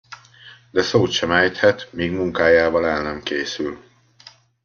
De szót sem ejthet, míg munkájával el nem készül.